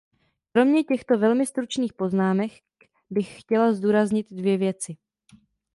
Kromě těchto velmi stručných poznámek bych chtěla zdůraznit dvě věci.